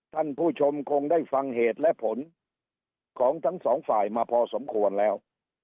ท่านผู้ชมคงได้ฟังเหตุและผลของทั้งสองฝ่ายมาพอสมควรแล้ว